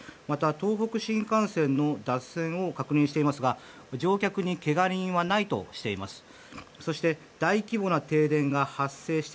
また東北新幹線の脱線を確認していますが乗客にけが人はないとしています。